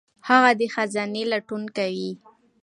هغه د خزانې لټون کوي.